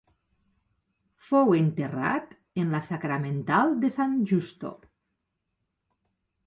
Fou enterrat en la Sacramental de San Justo.